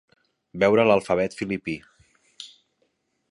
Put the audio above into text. Veure l'alfabet filipí.